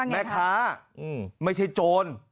แม่ค้าไม่ใช่โจร